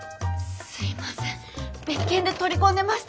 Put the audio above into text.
すいません別件で取り込んでまして。